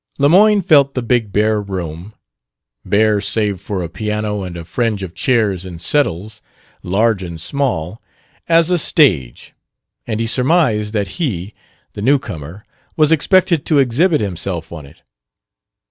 Lemoyne felt the big bare room bare save for a piano and a fringe of chairs and settles, large and small as a stage; and he surmised that he, the new comer, was expected to exhibit himself on it.